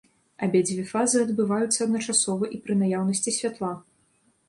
Абедзве фазы адбываюцца адначасова і пры наяўнасці святла.